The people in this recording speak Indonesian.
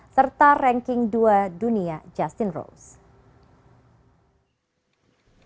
serta ranking dua dunia justin rose